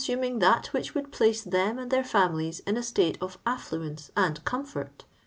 4^ soming that which would place them and their iamilies in a state of affluence and comfort ?